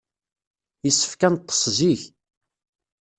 Yessefk ad neṭṭes zik.